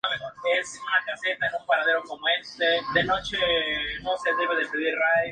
Se expone en el Museo Metropolitano de Arte en Nueva York.